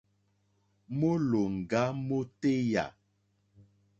Mólòŋɡá mótéyà.